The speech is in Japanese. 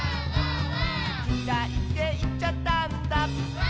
「きらいっていっちゃったんだ」